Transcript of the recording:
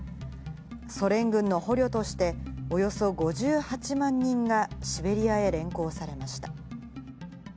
ソ連軍の捕虜として、およそ５８万人がシベリアへ連行されました。